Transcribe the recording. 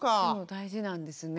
大事なんですね。